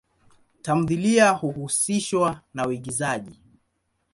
Tamthilia huhusishwa na uigizaji.